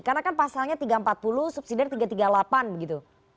karena kan pasalnya rp tiga ratus empat puluh subsidiarnya rp tiga tiga puluh delapan begitu